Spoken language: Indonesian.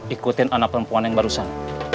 ikutin anak perempuan yang barusan